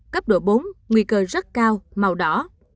cấp độ bốn nguy cơ rất cao màu đỏ